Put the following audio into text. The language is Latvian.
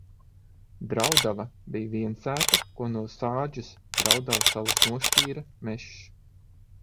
Draudava bija viensēta, ko no sādžas Draudavsalas nošķīra mežs.